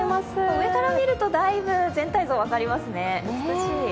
上から見るとだいぶ全体像が分かりますね、美しい。